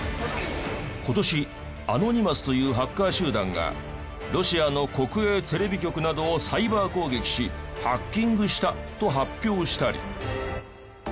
今年アノニマスというハッカー集団がロシアの国営テレビ局などをサイバー攻撃しハッキングしたと発表したり。